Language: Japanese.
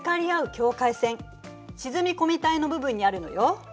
境界線沈み込み帯の部分にあるのよ。